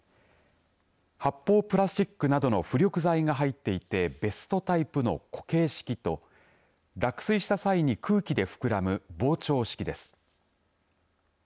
発泡プラスチックなどの浮力材が入っていてベストタイプの固型式と落水した際に空気で膨らむ膨張式です。